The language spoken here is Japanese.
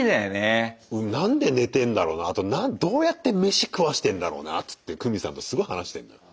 何で寝てんだろうなあとどうやって飯食わしてんだろうなっつってクミさんとすごい話してんのよ。